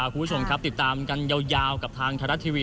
คุณผู้ชมครับติดตามกันยาวกับทางไทยรัฐทีวี